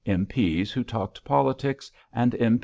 P.s who talked politics, and M.P.